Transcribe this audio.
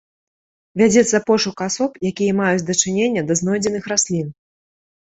Вядзецца пошук асоб, якія маюць дачыненне да знойдзеных раслін.